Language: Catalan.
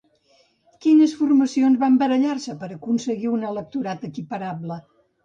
Quines formacions van barallar-se per aconseguir un electorat equiparable?